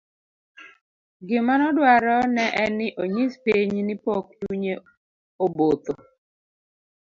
gimanoduaro ne en ni onyis piny ni pok chunye obotho